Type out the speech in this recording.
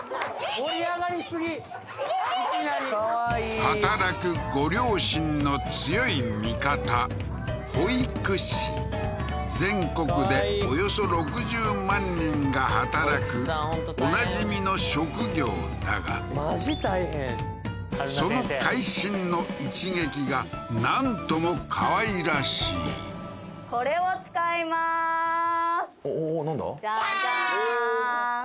盛り上がりすぎいきなり働くご両親の強い味方保育士全国でおよそ６０万人が働くおなじみの職業だがマジ大変その会心の一撃がなんとも可愛らしいおおなんだ？